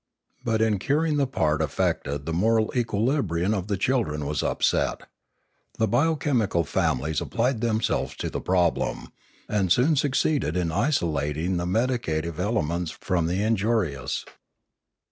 But in curing, the part affected the moral equilibrium of the children was upset. The bio chemical families applied themselves to the problem, and soon succeeded in isolating the medicative elements from the injurious.